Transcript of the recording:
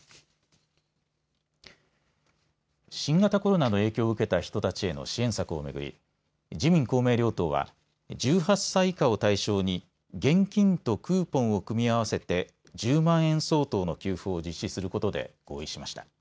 新型コロナの影響を受けた人たちへの支援策を巡り自民公明両党は１８歳以下を対象に現金とクーポンを組み合わせて１０万円相当の給付を実施することで合意しました。